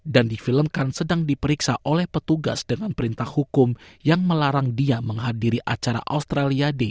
dan difilmkan sedang diperiksa oleh petugas dengan perintah hukum yang melarang dia menghadiri acara australia day